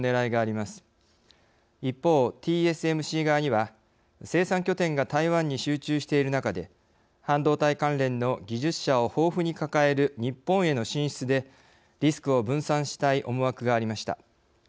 一方ＴＳＭＣ側には生産拠点が台湾に集中している中で半導体関連の技術者を豊富に抱える日本への進出でリスクを分散したい思惑がありました。